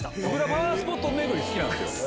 パワースポット巡り好きなんすよ。